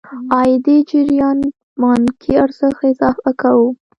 عايدي جريان پانګې ارزښت اضافه کوو.